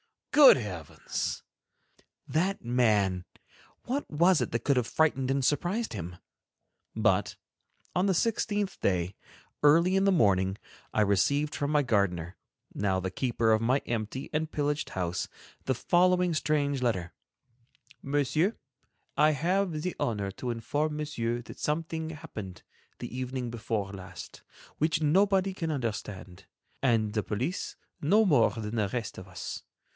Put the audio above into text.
good heavens! That man, what was it that could have frightened and surprised him! But, on the sixteenth day, early in the morning, I received from my gardener, now the keeper of my empty and pillaged house, the following strange letter: "MONSIEUR: "I have the honor to inform Monsieur that something happened, the evening before last, which nobody can understand, and the police no more than the rest of us.